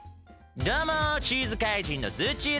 どうもチーズ怪人のズッチーです！